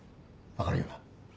分かるよな？